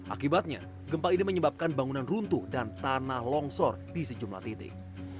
akibatnya gempa ini menyebabkan bangunan runtuh dan tanah longsor di sejumlah titik